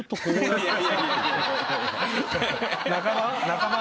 仲間？